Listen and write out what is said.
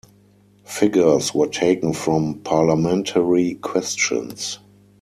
Figures were taken from parliamentary questions.